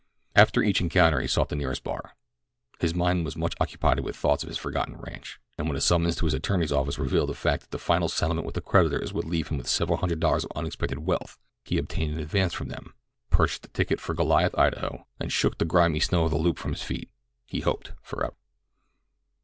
After each encounter he sought the nearest bar. His mind was much occupied with thoughts of his forgotten ranch, and when a summons to his attorneys' offices revealed the fact that the final settlement with his creditors would leave him with several hundred dollars of unexpected wealth, he obtained an advance from them, purchased a ticket for Goliath, Idaho, and shook the grimy snow of the Loop from his feet—he hoped forever.